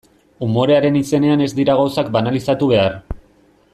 Umorearen izenean ez dira gauzak banalizatu behar.